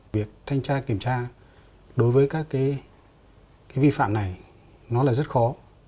việc thanh tra kiểm tra đối với các cái vi phạm này nó là rất khó